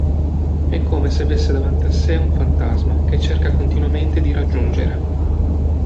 È come se avesse davanti a sé un fantasma che cerca continuamente di raggiungere.